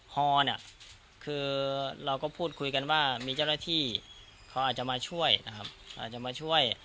ฮเราก็พูดคุยกันว่ามีเจ้าหน้าที่เขาอาจจะมาช่วย